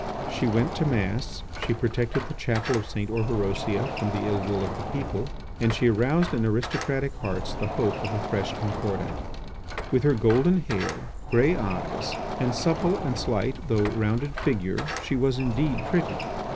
She went to Mass; she protected the chapel of St. Orberosia from the ill will of the people; and she aroused in aristocratic hearts the hope of a fresh Concordat. With her golden hair, grey eyes, and supple and slight though rounded figure, she was indeed pretty.